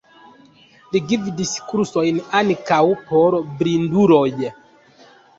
Li gvidis kursojn, ankaŭ por blinduloj.